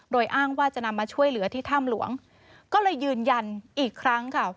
โดยอ้างว่าจะนำมาช่วยเหลือที่ถ้ำหลวงก็เลยยืนยันอีกครั้งค่ะ